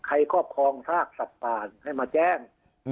ใครก็ของภาพสัตว์ภาษาให้มาแจ้ง